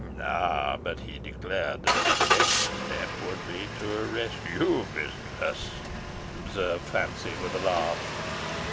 "Ay, but he declared that his next step should be to arrest you, mistress," observed Fancy, with a laugh.